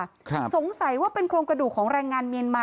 ครับสงสัยว่าเป็นโครงกระดูกของแรงงานเมียนมา